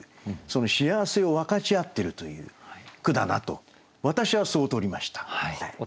その幸せを分かち合ってるという句だなと私はそうとりましたね。